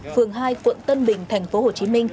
phường hai quận tân bình tp hcm